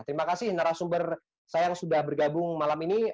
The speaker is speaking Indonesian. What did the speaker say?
terima kasih narasumber saya yang sudah bergabung malam ini